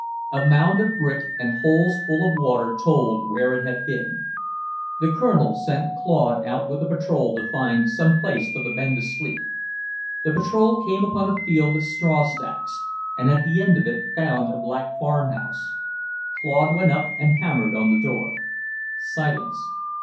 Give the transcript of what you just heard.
A mound of brick, and holes full of water told where it had been. The Colonel sent Claude out with a patrol to find some place for the men to sleep. The patrol came upon a field of straw stacks, and at the end of it found a black farmhouse. Claude went up and hammered on the door. Silence.